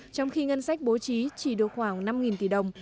trong khi ngân sách bố trí chỉ được khoảng năm tỷ đồng